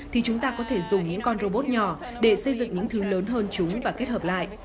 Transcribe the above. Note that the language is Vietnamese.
thì chúng ta có thể dùng những con robot nhỏ để xây dựng những thứ lớn hơn chúng và kết hợp lại